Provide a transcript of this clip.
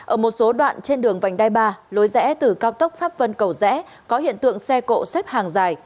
ở một số đoạn trên đường vành đai ba lối rẽ từ cao tốc pháp vân cầu rẽ có hiện tượng xe cộ xếp hàng dài